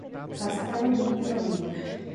Castelo do Piauí